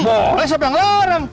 boleh seorang orang